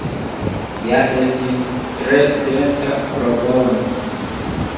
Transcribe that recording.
Ja estis tre tenta propono!